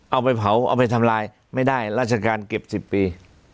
เอาไปเผาเอาไปทำลายไม่ได้ราชการเก็บ๑๐ปี